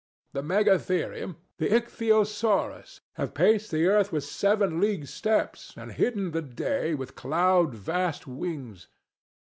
The megatherium, the icthyosaurus have paced the earth with seven league steps and hidden the day with cloud vast wings.